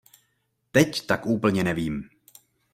Teď tak úplně nevím.